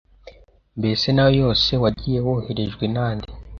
Mbese n’ayo yose wagiye woherejwe na nde